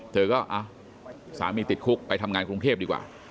เธอก็สามีติดคุกไปทำงานกรุงเทพดีกว่า